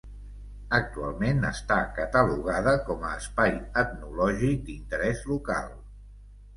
Actualment està catalogada com a Espai Etnològic d'Interès Local.